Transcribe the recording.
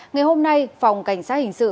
ngày hôm nay phòng cảnh sát hình sự